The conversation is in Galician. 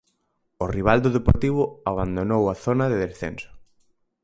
O rival do Deportivo abandonou a zona de descenso.